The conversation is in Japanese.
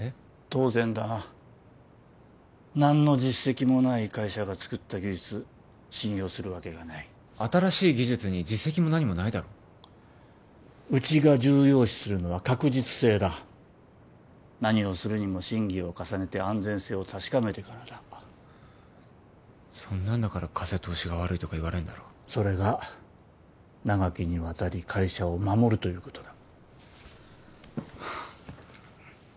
当然だな何の実績もない会社が作った技術信用するわけがない新しい技術に実績も何もないだろうちが重要視するのは確実性だ何をするにも審議を重ねて安全性を確かめてからだそんなんだから風通しが悪いとか言われんだろそれが長きにわたり会社を守るということだ